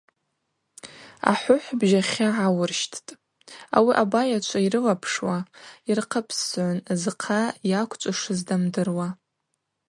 Ахӏвыхӏв бжьахьа гӏауырщттӏ, ауи абайачва йрылапшуа йырхъыпссгӏун зхъа йаквчӏвушыз дамдыруа.